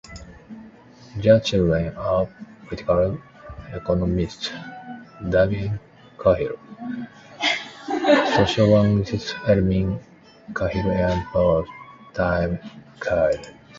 Their children are political economist Damien Cahill, sociologist Erin Cahill and poet Tim Cahill.